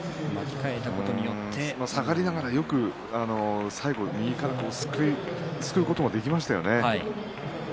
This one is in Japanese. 下がりながらよく右からすくうことができましたよね。